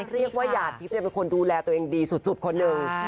เรียกว่าหยาดทิพย์เป็นคนดูแลตัวเองดีสุดคนหนึ่ง